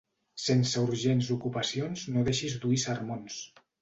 Sense urgents ocupacions no deixis d'oir sermons.